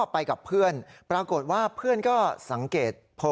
ไปกับเพื่อนปรากฏว่าเพื่อนก็สังเกตพอ